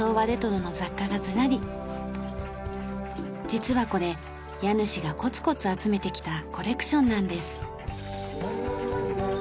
実はこれ家主がコツコツ集めてきたコレクションなんです。